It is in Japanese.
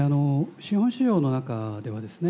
資本市場の中ではですね